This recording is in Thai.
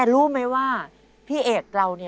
อยู่๓๔ปีครับ